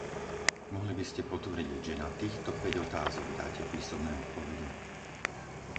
Mohli by ste potvrdiť, že na týchto päť otázok dáte písomné odpovede?